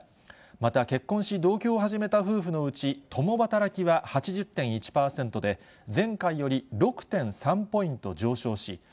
また結婚し、同居を始めた夫婦のうち、共働きは８０．１％で、前回より６．３ポイント上昇し、以上、